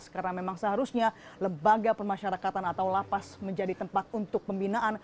karena memang seharusnya lebaga pemasyarakatan atau lapas menjadi tempat untuk pembinaan